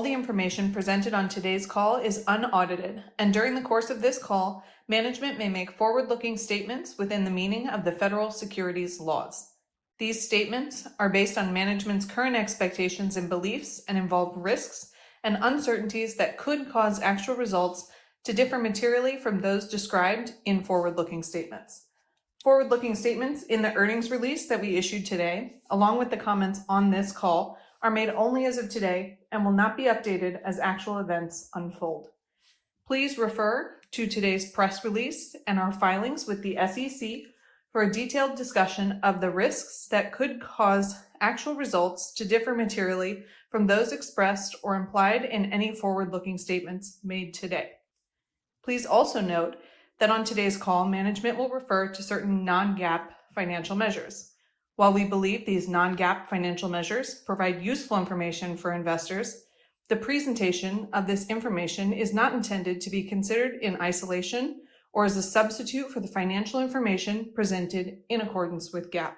All the information presented on today's call is unaudited, and during the course of this call, management may make forward-looking statements within the meaning of the federal securities laws. These statements are based on management's current expectations and beliefs and involve risks and uncertainties that could cause actual results to differ materially from those described in forward-looking statements. Forward-looking statements in the earnings release that we issued today, along with the comments on this call, are made only as of today and will not be updated as actual events unfold. Please refer to today's press release and our filings with the SEC for a detailed discussion of the risks that could cause actual results to differ materially from those expressed or implied in any forward-looking statements made today. Please also note that on today's call, management will refer to certain non-GAAP financial measures. While we believe these non-GAAP financial measures provide useful information for investors, the presentation of this information is not intended to be considered in isolation or as a substitute for the financial information presented in accordance with GAAP.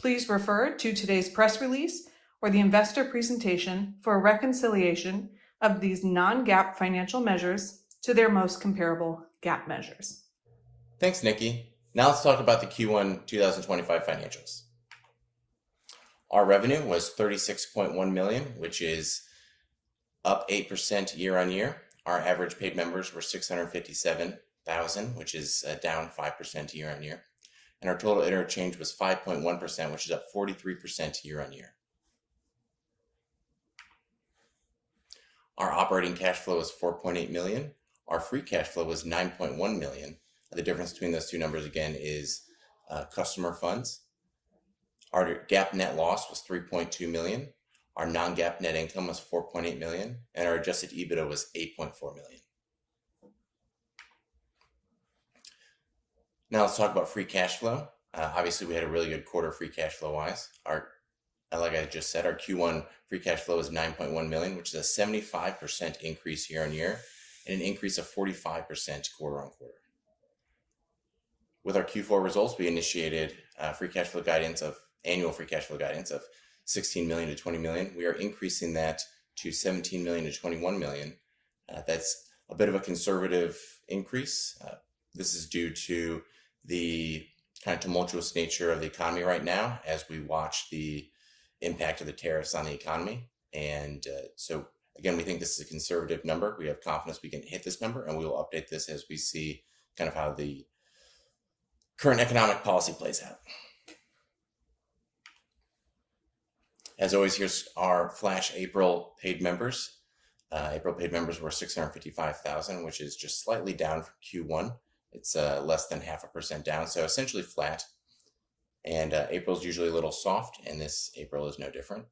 Please refer to today's press release or the investor presentation for a reconciliation of these non-GAAP financial measures to their most comparable GAAP measures. Thanks, Niki. Now let's talk about the Q1 2025 financials. Our revenue was $36.1 million, which is up 8% year on year. Our average paid members were 657,000, which is down 5% year on year. Our total interchange was 5.1%, which is up 43% year on year. Our operating cash flow was $4.8 million. Our free cash flow was $9.1 million. The difference between those two numbers, again, is customer funds. Our GAAP net loss was $3.2 million. Our non-GAAP net income was $4.8 million, and our adjusted EBITDA was $8.4 million. Now let's talk about free cash flow. Obviously, we had a really good quarter free cash flow-wise. Like I just said, our Q1 free cash flow was $9.1 million, which is a 75% increase year on year and an increase of 45% quarter on quarter. With our Q4 results, we initiated free cash flow guidance of annual free cash flow guidance of $16 million-$20 million. We are increasing that to $17 million-$21 million. That's a bit of a conservative increase. This is due to the kind of tumultuous nature of the economy right now as we watch the impact of the tariffs on the economy. Again, we think this is a conservative number. We have confidence we can hit this number, and we will update this as we see kind of how the current economic policy plays out. As always, here's our flash April paid members. April paid members were 655,000, which is just slightly down from Q1. It's less than 0.5% down, so essentially flat. April is usually a little soft, and this April is no different.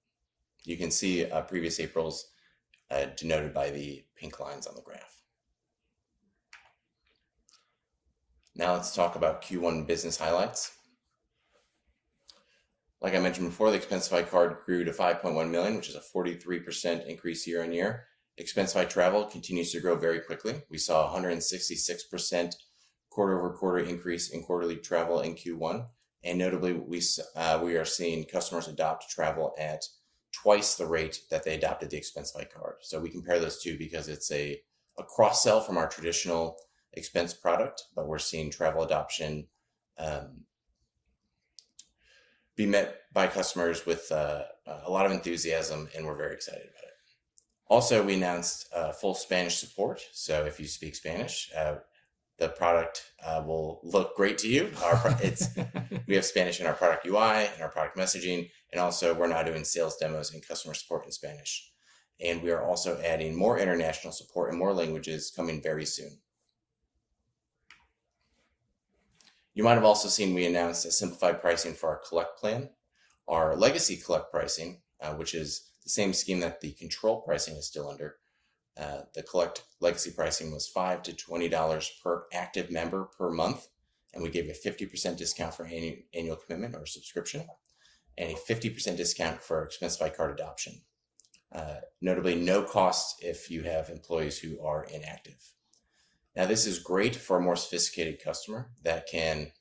You can see previous April's denoted by the pink lines on the graph. Now let's talk about Q1 business highlights. Like I mentioned before, the Expensify Card grew to $5.1 million, which is a 43% increase year on year. Expensify Travel continues to grow very quickly. We saw a 166% quarter-over-quarter increase in quarterly travel in Q1. Notably, we are seeing customers adopt travel at twice the rate that they adopted the Expensify Card. We compare those two because it's a cross-sell from our traditional expense product, but we're seeing travel adoption be met by customers with a lot of enthusiasm, and we're very excited about it. Also, we announced full Spanish support, so if you speak Spanish, the product will look great to you. We have Spanish in our product UI and our product messaging, and also we're now doing sales demos and customer support in Spanish. We are also adding more international support in more languages coming very soon. You might have also seen we announced a simplified pricing for our Collect plan. Our legacy Collect pricing, which is the same scheme that the Control pricing is still under, the Collect legacy pricing was $5-$20 per active member per month, and we gave a 50% discount for annual commitment or subscription and a 50% discount for Expensify Card adoption. Notably, no cost if you have employees who are inactive. Now, this is great for a more sophisticated customer that can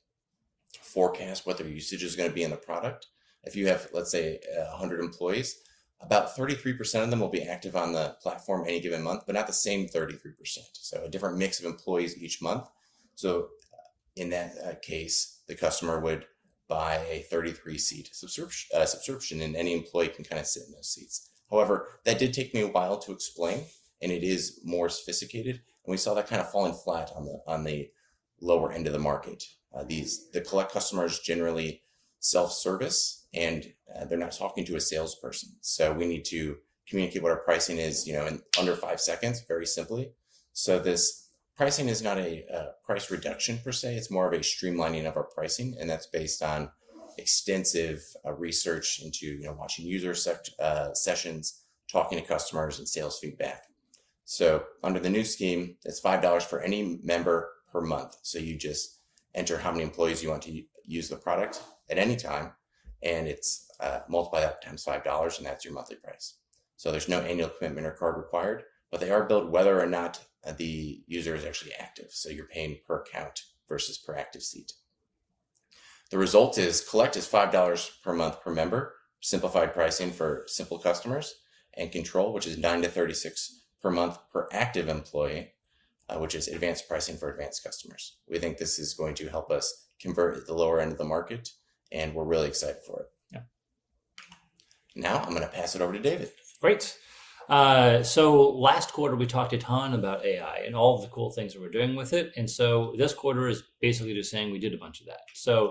forecast what their usage is going to be in the product. If you have, let's say, 100 employees, about 33% of them will be active on the platform any given month, but not the same 33%. So a different mix of employees each month. In that case, the customer would buy a 33-seat subscription, and any employee can kind of sit in those seats. However, that did take me a while to explain, and it is more sophisticated. We saw that kind of falling flat on the lower end of the market. The collect customers generally self-service, and they're not talking to a salesperson. We need to communicate what our pricing is in under five seconds, very simply. This pricing is not a price reduction per se. It is more of a streamlining of our pricing, and that's based on extensive research into watching user sessions, talking to customers, and sales feedback. Under the new scheme, it's $5 for any member per month. You just enter how many employees you want to use the product at any time, and it's multiply that times $5, and that's your monthly price. There's no annual commitment or card required, but they are billed whether or not the user is actually active. You're paying per account versus per active seat. The result is Collect is $5 per month per member, simplified pricing for simple customers, and Control, which is $9-$36 per month per active employee, which is advanced pricing for advanced customers. We think this is going to help us convert at the lower end of the market, and we're really excited for it. Now I'm going to pass it over to David. Great. Last quarter, we talked a ton about AI and all of the cool things that we're doing with it. This quarter is basically just saying we did a bunch of that.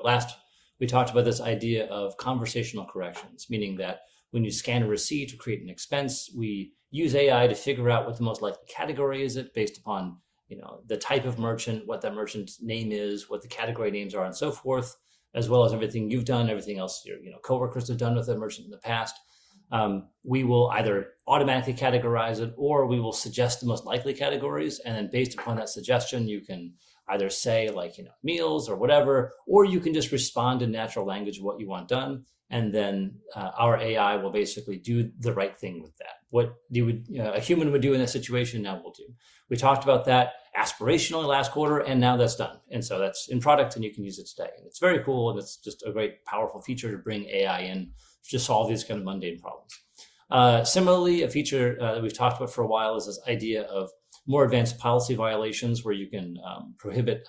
Last, we talked about this idea of conversational corrections, meaning that when you scan a receipt to create an expense, we use AI to figure out what the most likely category is based upon the type of merchant, what that merchant's name is, what the category names are, and so forth, as well as everything you've done, everything else your coworkers have done with a merchant in the past. We will either automatically categorize it, or we will suggest the most likely categories. Based upon that suggestion, you can either say like meals or whatever, or you can just respond in natural language of what you want done. Our AI will basically do the right thing with that, what a human would do in that situation now will do. We talked about that aspirationally last quarter, and now that's done. That's in product, and you can use it today. It's very cool, and it's just a great, powerful feature to bring AI in to just solve these kind of mundane problems. Similarly, a feature that we've talked about for a while is this idea of more advanced policy violations where you can prohibit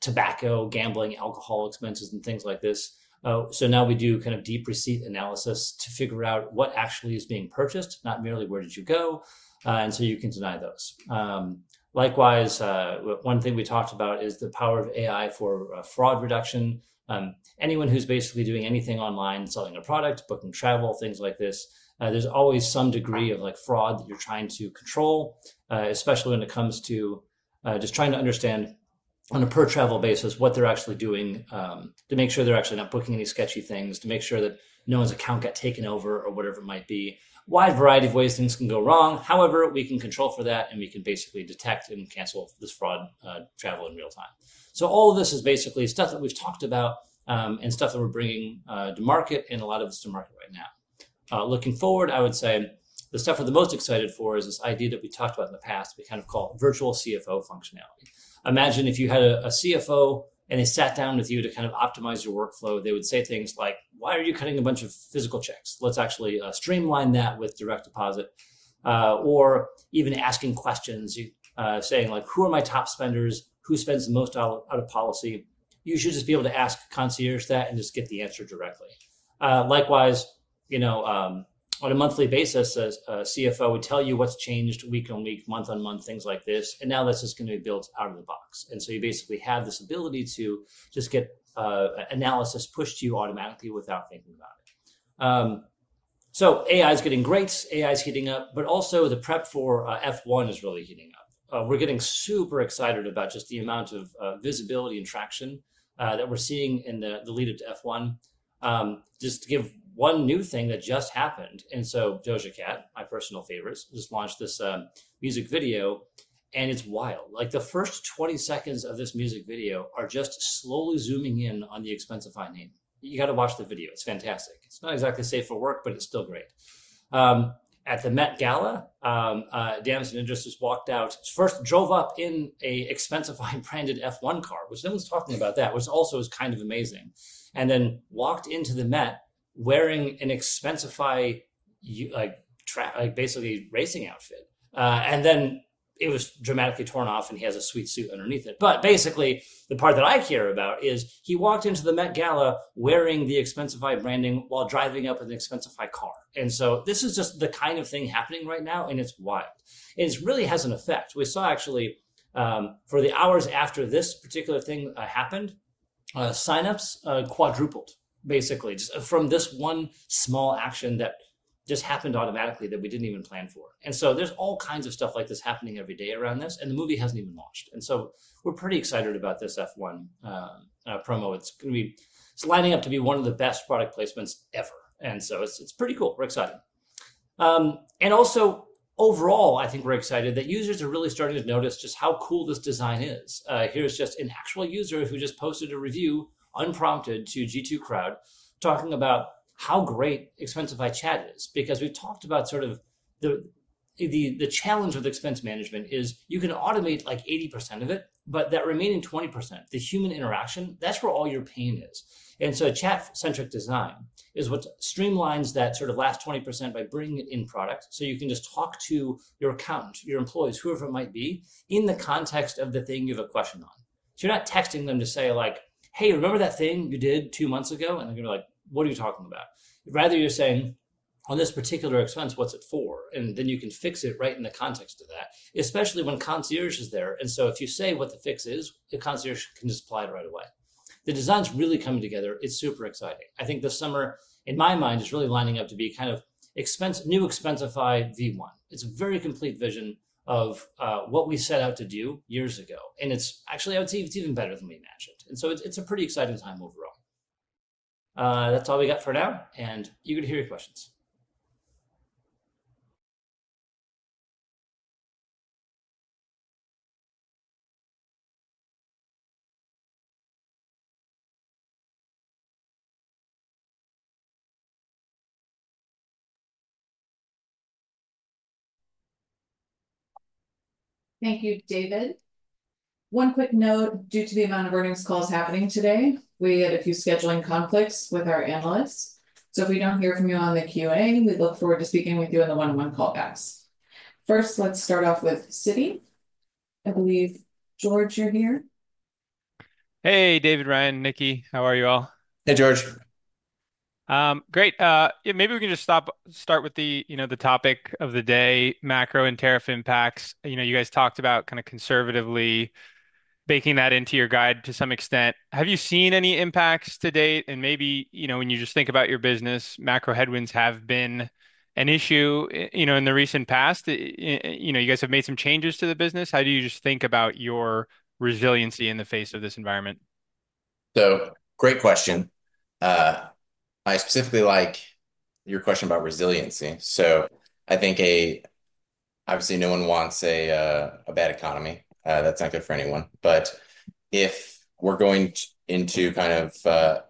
tobacco, gambling, alcohol expenses, and things like this. Now we do kind of deep receipt analysis to figure out what actually is being purchased, not merely where did you go, and you can deny those. Likewise, one thing we talked about is the power of AI for fraud reduction. Anyone who's basically doing anything online, selling a product, booking travel, things like this, there's always some degree of fraud that you're trying to control, especially when it comes to just trying to understand on a per-travel basis what they're actually doing to make sure they're actually not booking any sketchy things, to make sure that no one's account got taken over or whatever it might be. Wide variety of ways things can go wrong. However, we can control for that, and we can basically detect and cancel this fraud travel in real time. All of this is basically stuff that we've talked about and stuff that we're bringing to market, and a lot of it's to market right now. Looking forward, I would say the stuff we're the most excited for is this idea that we talked about in the past. We kind of call it virtual CFO functionality. Imagine if you had a CFO and they sat down with you to kind of optimize your workflow. They would say things like, "Why are you cutting a bunch of physical checks? Let's actually streamline that with direct deposit." Or even asking questions, saying like, "Who are my top spenders? Who spends the most out of policy?" You should just be able to ask Concierge that and just get the answer directly. Likewise, on a monthly basis, a CFO would tell you what's changed week on week, month on month, things like this. That is just going to be built out of the box. You basically have this ability to just get analysis pushed to you automatically without thinking about it. AI is getting great. AI is heating up, but also the prep for F1 is really heating up. We're getting super excited about just the amount of visibility and traction that we're seeing in the lead-up to F1. Just to give one new thing that just happened. Doja Cat, my personal favorite, just launched this music video, and it's wild. Like the first 20 seconds of this music video are just slowly zooming in on the Expensify name. You got to watch the video. It's fantastic. It's not exactly safe for work, but it's still great. At the Met Gala, Dams in Industries walked out, first drove up in an Expensify branded F1 car, which no one's talking about that, which also is kind of amazing, and then walked into the Met wearing an Expensify basically racing outfit. It was dramatically torn off, and he has a sweet suit underneath it. Basically, the part that I care about is he walked into the Met Gala wearing the Expensify branding while driving up in the Expensify car. This is just the kind of thing happening right now, and it's wild. It really has an effect. We saw actually for the hours after this particular thing happened, signups quadrupled basically from this one small action that just happened automatically that we didn't even plan for. There is all kinds of stuff like this happening every day around this, and the movie hasn't even launched. We're pretty excited about this F1 promo. It's going to be lining up to be one of the best product placements ever. It's pretty cool. We're excited. Also, overall, I think we're excited that users are really starting to notice just how cool this design is. Here's just an actual user who just posted a review unprompted to G2 Crowd talking about how great Expensify Chat is. Because we've talked about sort of the challenge with expense management is you can automate like 80% of it, but that remaining 20%, the human interaction, that's where all your pain is. Chat-centric design is what streamlines that sort of last 20% by bringing it in product. You can just talk to your accountant, your employees, whoever it might be in the context of the thing you have a question on. You're not texting them to say like, "Hey, remember that thing you did two months ago?" and they're going to be like, "What are you talking about?" Rather, you're saying, "On this particular expense, what's it for?" and then you can fix it right in the context of that, especially when Concierge is there. If you say what the fix is, the Concierge can just apply it right away. The design's really coming together. It's super exciting. I think the summer, in my mind, is really lining up to be kind of new Expensified V1. It's a very complete vision of what we set out to do years ago. I would say it's even better than we imagined. It's a pretty exciting time overall. That's all we got for now, and you can hear your questions. Thank you, David. One quick note, due to the amount of earnings calls happening today, we had a few scheduling conflicts with our analysts. If we don't hear from you on the Q&A, we look forward to speaking with you in the one-on-one callbacks. First, let's start off with Citi. I believe, George, you're here. Hey, David, Ryan, Nicky, how are you all? Hey, George. Great. Maybe we can just start with the topic of the day, macro and tariff impacts. You guys talked about kind of conservatively baking that into your guide to some extent. Have you seen any impacts to date? Maybe when you just think about your business, macro headwinds have been an issue in the recent past. You guys have made some changes to the business. How do you just think about your resiliency in the face of this environment? Great question. I specifically like your question about resiliency. I think obviously no one wants a bad economy. That's not good for anyone. If we're going into kind of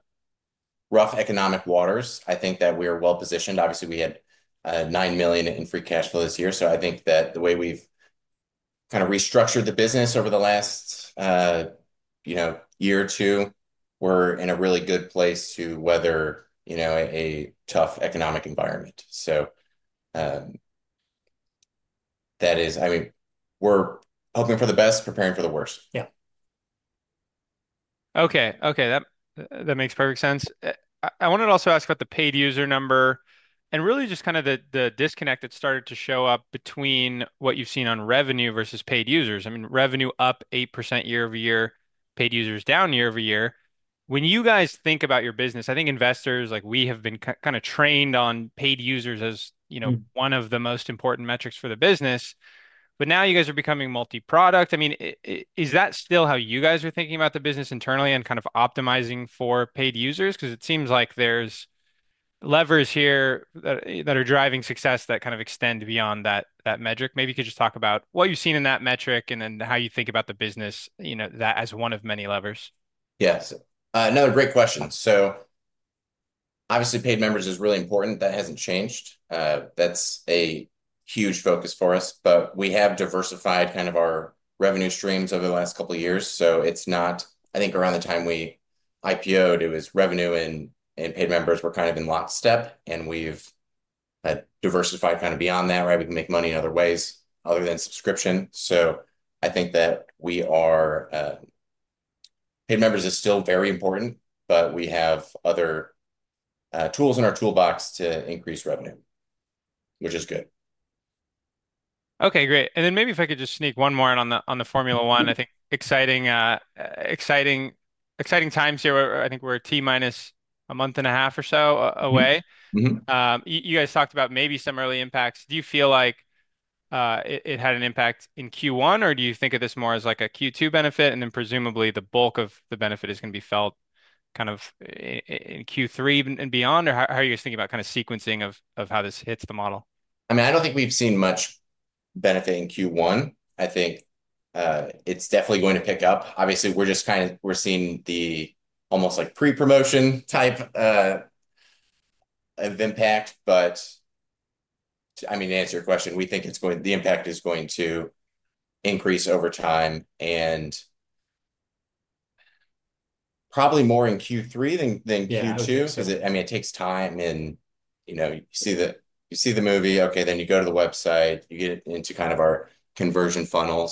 rough economic waters, I think that we are well positioned. Obviously, we had $9 million in free cash flow this year. I think that the way we've kind of restructured the business over the last year or two, we're in a really good place to weather a tough economic environment. That is, I mean, we're hoping for the best, preparing for the worst. Yeah. Okay. Okay. That makes perfect sense. I wanted to also ask about the paid user number and really just kind of the disconnect that started to show up between what you've seen on revenue versus paid users. I mean, revenue up 8% year over year, paid users down year over year. When you guys think about your business, I think investors like we have been kind of trained on paid users as one of the most important metrics for the business. Now you guys are becoming multi-product. I mean, is that still how you guys are thinking about the business internally and kind of optimizing for paid users? Because it seems like there's levers here that are driving success that kind of extend beyond that metric. Maybe you could just talk about what you've seen in that metric and then how you think about the business as one of many levers. Yes. No, great question. Obviously, paid members is really important. That hasn't changed. That's a huge focus for us. We have diversified kind of our revenue streams over the last couple of years. It's not, I think around the time we IPOed, revenue and paid members were kind of in lockstep. We've diversified kind of beyond that, right? We can make money in other ways other than subscription. I think that paid members is still very important, but we have other tools in our toolbox to increase revenue, which is good. Okay. Great. Maybe if I could just sneak one more in on the Formula 1. I think exciting times here. I think we're at T minus a month and a half or so away. You guys talked about maybe some early impacts. Do you feel like it had an impact in Q1, or do you think of this more as like a Q2 benefit? Presumably, the bulk of the benefit is going to be felt kind of in Q3 and beyond, or how are you guys thinking about kind of sequencing of how this hits the model? I mean, I don't think we've seen much benefit in Q1. I think it's definitely going to pick up. Obviously, we're just kind of seeing the almost like pre-promotion type of impact. I mean, to answer your question, we think the impact is going to increase over time and probably more in Q3 than Q2 because, I mean, it takes time. You see the movie, okay, then you go to the website, you get into kind of our conversion funnel.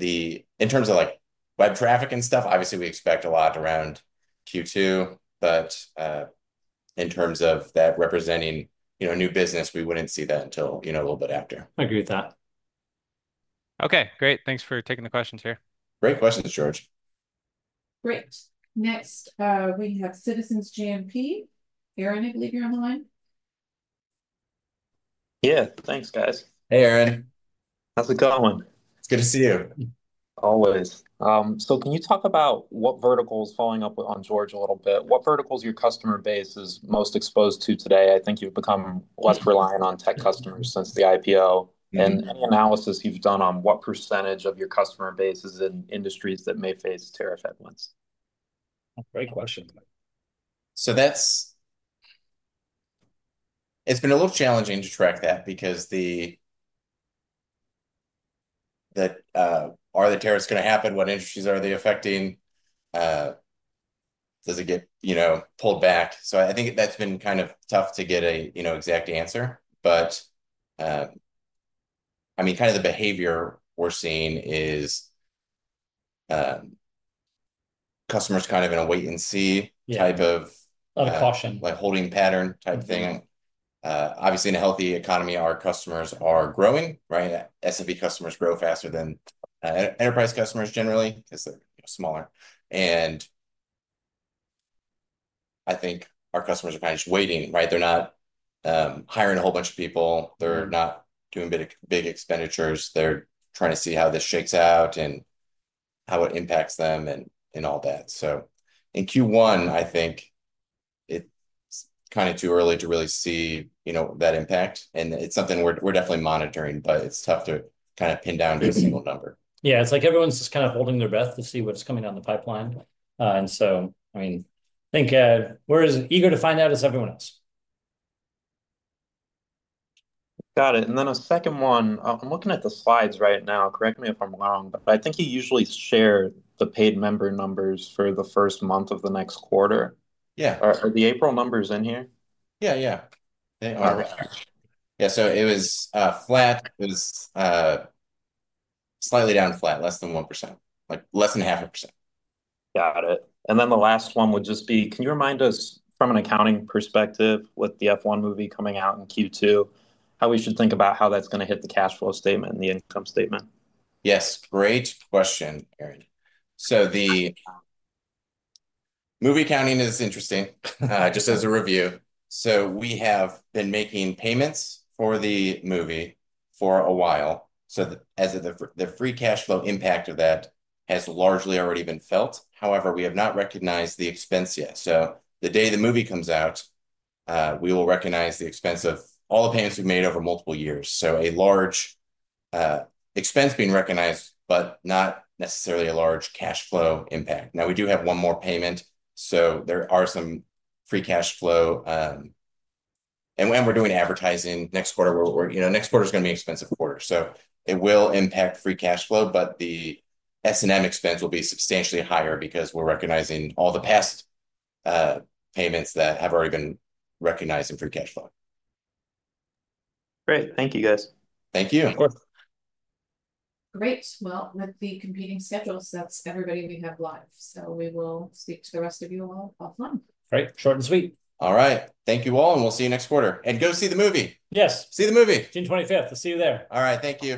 In terms of like web traffic and stuff, obviously, we expect a lot around Q2. In terms of that representing a new business, we wouldn't see that until a little bit after. I agree with that. Okay. Great. Thanks for taking the questions here. Great questions, George. Great. Next, we have Citizens JMP. Aaron, I believe you're on the line. Yeah. Thanks, guys. Hey, Aaron. How's it going? It's good to see you. Always. Can you talk about what verticals, following up on George a little bit? What verticals are your customer base most exposed to today? I think you've become less reliant on tech customers since the IPO. Any analysis you've done on what percentage of your customer base is in industries that may face tariff headwinds? Great question. It's been a little challenging to track that because are the tariffs going to happen? What industries are they affecting? Does it get pulled back? I think that's been kind of tough to get an exact answer. I mean, kind of the behavior we're seeing is customers kind of in a wait-and-see type of. Of caution. Like holding pattern type thing. Obviously, in a healthy economy, our customers are growing, right? SMB customers grow faster than enterprise customers generally because they're smaller. I think our customers are kind of just waiting, right? They're not hiring a whole bunch of people. They're not doing big expenditures. They're trying to see how this shakes out and how it impacts them and all that. In Q1, I think it's kind of too early to really see that impact. It's something we're definitely monitoring, but it's tough to kind of pin down to a single number. Yeah. It's like everyone's just kind of holding their breath to see what's coming down the pipeline. I mean, I think we're as eager to find out as everyone else. Got it. And then a second one. I'm looking at the slides right now. Correct me if I'm wrong, but I think you usually share the paid member numbers for the first month of the next quarter. Yeah. Are the April numbers in here? Yeah. Yeah. They are. Yeah. It was flat. It was slightly down flat, less than 1%, like less than half a percent. Got it. The last one would just be, can you remind us from an accounting perspective with the F1 movie coming out in Q2, how we should think about how that's going to hit the cash flow statement and the income statement? Yes. Great question, Aaron. The movie accounting is interesting, just as a review. We have been making payments for the movie for a while. The free cash flow impact of that has largely already been felt. However, we have not recognized the expense yet. The day the movie comes out, we will recognize the expense of all the payments we have made over multiple years. A large expense is being recognized, but not necessarily a large cash flow impact. We do have one more payment. There are some free cash flow. We are doing advertising next quarter. Next quarter is going to be an expensive quarter. It will impact free cash flow, but the S&M expense will be substantially higher because we are recognizing all the past payments that have already been recognized in free cash flow. Great. Thank you, guys. Thank you. Of course. Great. With the competing schedules, that's everybody we have live. We will speak to the rest of you all offline. All right. Short and sweet. All right. Thank you all, and we'll see you next quarter. Go see the movie. Yes. See the movie. June 25th. We'll see you there. All right. Thank you.